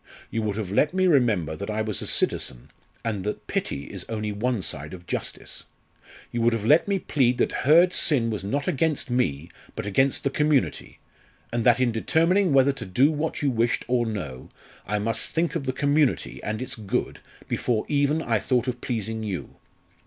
You would have let me remember that I was a citizen, and that pity is only one side of justice! You would have let me plead that Hurd's sin was not against me, but against the community, and that in determining whether to do what you wished or no, I must think of the community and its good before even I thought of pleasing you.